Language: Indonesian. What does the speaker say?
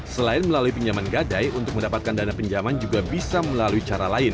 selain melalui pinjaman gadai untuk mendapatkan dana pinjaman juga bisa melalui cara lain